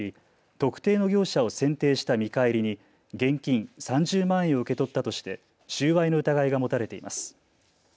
特定の業者を選定した見返りに現金３０万円を受け取ったとして収賄の疑いが持たれています。